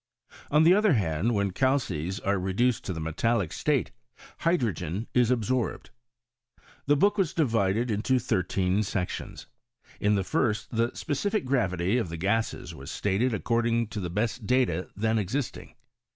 On the other hand, when calces are re duced to the metallic state hydrogen is absorbed. The book was divided into thirteen sections. In the first the speci^c gravity of the gases was stated ac< cording to the best data then existing.